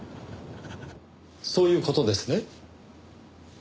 そういう事ですね？